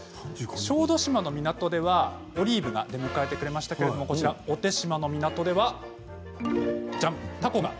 小豆島の港ではオリーブが出迎えてくれましたけれどこちら小手島の港ではじゃーん！